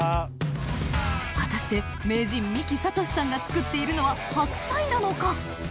果たして名人三木郷志さんが作っているのは白菜なのか？